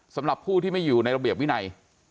สำหรับผู้ที่ไม่อยู่ในระเบียบวินัย